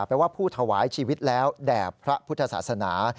แปลว่าผู้ถวายชีวิตแล้วแด่พระพุทธศาสนา